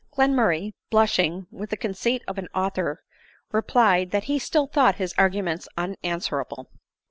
Glenmurray, blushing, with the conceit of an author replied, " that he still thought his arguments unanswera ble."